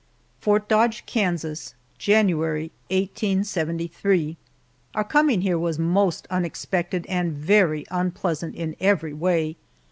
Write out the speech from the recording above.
FORT DODGE, KANSAS, January, 1873. OUR coming here was most unexpected and very unpleasant in every way.